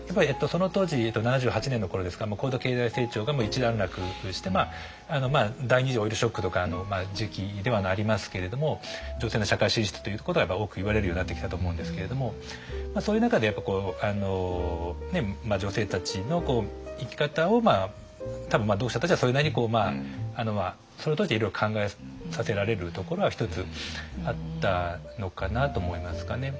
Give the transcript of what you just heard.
その当時７８年の頃ですから高度経済成長が一段落して第２次オイルショックとかの時期ではありますけれども女性の社会進出ということが多く言われるようになってきたと思うんですけれどもそういう中で女性たちの生き方を多分読者たちはそれなりにそれを通していろいろ考えさせられるところは一つあったのかなと思いますかね。